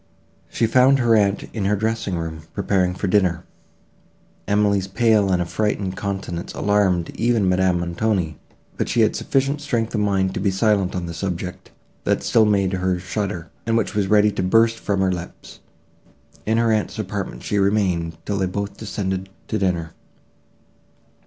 She found her aunt in her dressing room, preparing for dinner. Emily's pale and affrighted countenance alarmed even Madame Montoni; but she had sufficient strength of mind to be silent on the subject, that still made her shudder, and which was ready to burst from her lips. In her aunt's apartment she remained till they both descended to dinner.